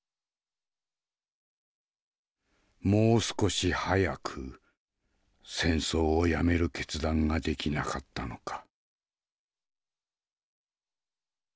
もう少し早く戦争をやめる決断ができなかったのか。